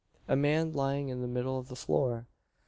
A man lying in the middle of the floor!